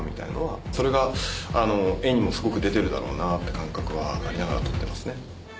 それが絵にもすごく出てるだろうなって感覚はありながら撮ってますね。